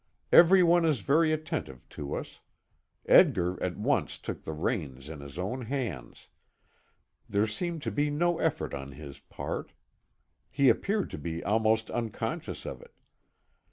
Every one is very attentive to us. Edgar at once took the reins in his own hands. There seemed to be no effort on his part. He appeared to be almost unconscious of it.